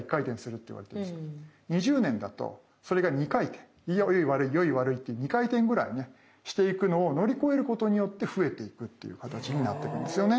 でも先生この一般的には良い悪い良い悪いって２回転ぐらいねしていくのを乗り越えることによって増えていくっていう形になってるんですよね。